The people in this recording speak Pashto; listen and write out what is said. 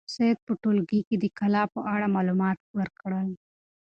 سعید په خپل ټولګي کې د کلا په اړه معلومات ورکړل.